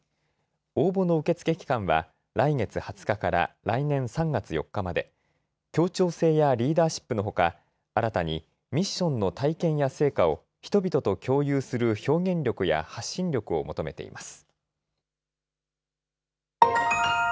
応募の受け付け期間は来月２０日から来年３月４日まで、協調性やリーダーシップのほか新たにミッションの体験や成果を人々と共有する表現力や発信力を求めています。